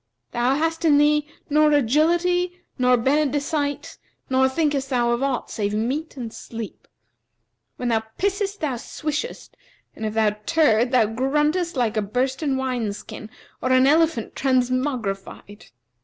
Thou hast in thee nor agility nor benedicite nor thinkest thou of aught save meat and sleep. When thou pissest thou swishes"; if thou turd thou gruntest like a bursten wine skin or an elephant transmogrified.